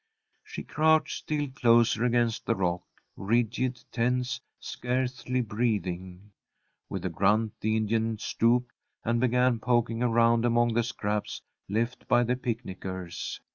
She crouched still closer against the rock, rigid, tense, scarcely breathing. With a grunt the Indian stooped, and began poking around among the scraps left by the picnickers.